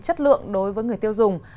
chất lượng đối với người tiêu dùng